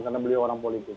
karena beliau orang politis